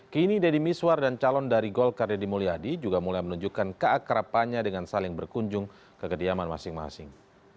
kini deddy miswar dan calon dari golkar deddy mulyadi juga mulai menunjukkan keakrapannya dengan saling berkunjung ke kediaman masing masing